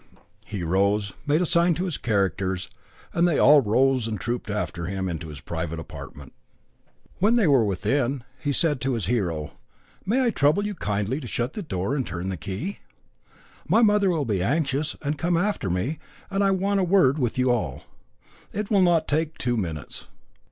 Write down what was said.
He rose, made a sign to his characters, and they all rose and trooped after him into his private apartment. When they were within he said to his hero: "May I trouble you kindly to shut the door and turn the key? My mother will be anxious and come after me, and I want a word with you all. It will not take two minutes.